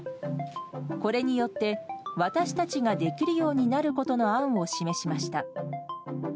これによって、私たちができるようになることの案を示しました。